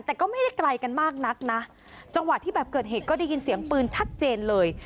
แต่ก็ไม่ได้ไกลกันมากนักนะจังหวะที่แบบเกิดเหตุก็ได้ยินเสียงปืนชัดเจนเลย